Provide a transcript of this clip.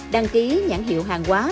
đăng ký nhãn hiệu hàng quá